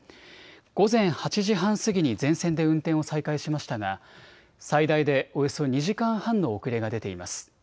午前８時半過ぎに全線で運転を再開しましたが最大でおよそ２時間半の遅れが出ています。